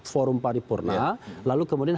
forum paripurna lalu kemudian